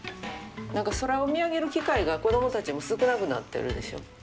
空を見上げる機会が子どもたちも少なくなってるでしょ？